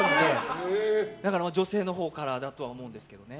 だから女性のほうからだと思いますけどね。